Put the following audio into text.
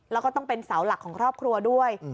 แล้วก็ต้องเป็นเสาหลักของครอบครัวด้วย